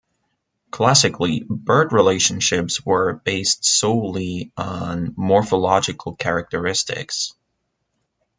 Classically, bird relationships were based solely on morphological characteristics.